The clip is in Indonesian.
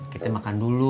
kita makan dulu